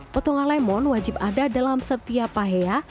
potongan lemon wajib ada dalam setiap pahea